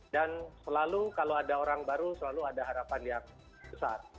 dan selalu kalau ada orang baru selalu ada harapan yang besar